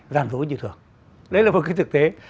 gian dối như thường đấy là một cái thực tế